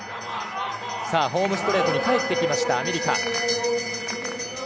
さあ、ホームストレートに帰ってきました、アメリカ。